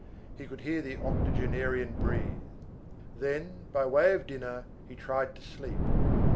He could hear the octogenarian breathe. Then, by way of dinner, he tried to sleep.